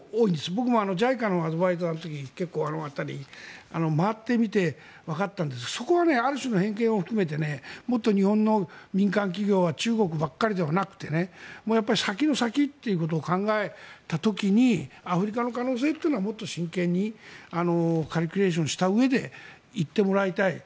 僕もＪＩＣＡのアドバイザーの時に結構あの辺り回ってみてわかったんですがそこはある種の偏見を含めてもっと日本の民間企業は中国ばかりではなくて先の先ということを考えた時にアフリカの可能性というのはもっと真剣にカルキュレーションしたうえで行ってもらいたい。